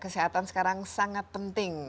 kesehatan sekarang sangat penting